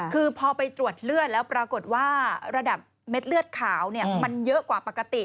คือพอไปตรวจเลือดแล้วปรากฏว่าระดับเม็ดเลือดขาวมันเยอะกว่าปกติ